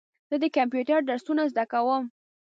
زه د کمپیوټر درسونه زده کوم.